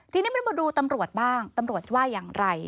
ทีนี้มาดูตำรวจบ้างตำรวจว่าอย่างไร